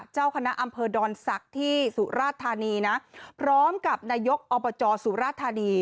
เจ้าคณะอำเภอดอนศักดิ์ที่สุราธานีนะพร้อมกับนายกอบจสุราธานี